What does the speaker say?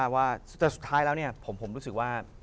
ว่าสุดท้ายแล้วผมรู้สึกว่า